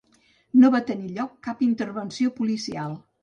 No va tenir lloc cap intervenció policial.